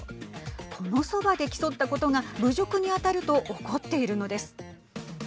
このそばで競ったことが侮辱に当たると怒っているのです。